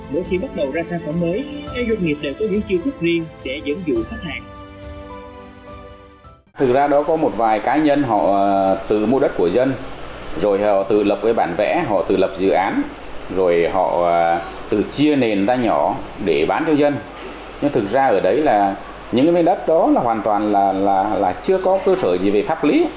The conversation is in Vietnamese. mỗi khi bắt đầu ra sản phẩm mới các doanh nghiệp đều có những chiêu thức riêng để dẫn dụ khách hàng